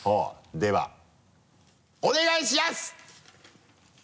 ではお願いしやす！